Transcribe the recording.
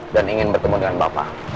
dan ingin bertemu dengan bapak